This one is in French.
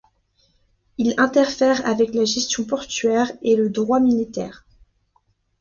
Il interfère avec la gestion portuaire et le droit militaire.